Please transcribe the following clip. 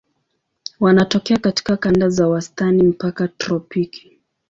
Wanatokea katika kanda za wastani mpaka tropiki.